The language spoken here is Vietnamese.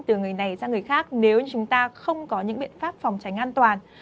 từ người này sang người khác nếu như chúng ta không có những biện pháp phòng tránh an toàn